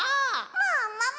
ももも！